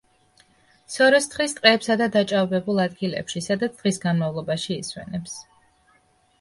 სოროს თხრის ტყეებსა და დაჭაობებულ ადგილებში, სადაც დღის განმავლობაში ისვენებს.